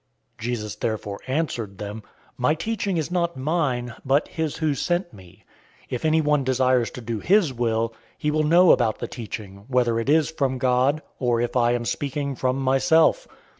007:016 Jesus therefore answered them, "My teaching is not mine, but his who sent me. 007:017 If anyone desires to do his will, he will know about the teaching, whether it is from God, or if I am speaking from myself.